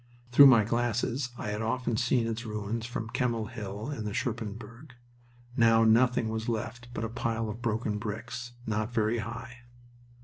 Through my glasses I had often seen its ruins from Kemmel Hill and the Scherpenberg. Now nothing was left but a pile of broken bricks, not very high.